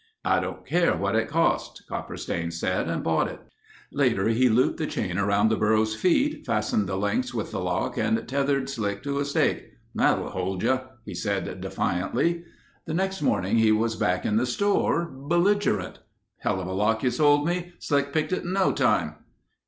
"I don't care what it costs," Copperstain said and bought it. Later he looped the chain around the burro's feet, fastened the links with the lock and tethered Slick to a stake. "That'll hold you—" he said defiantly. The next morning he was back in the store, belligerent. "Helluva lock you sold me. Slick picked it in no time."